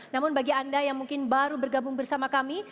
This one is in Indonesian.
namun bagi anda yang mungkin baru bergabung bersama kami